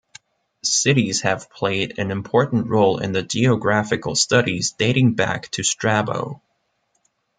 Cities have played an important role in geographical studies dating back to Strabo.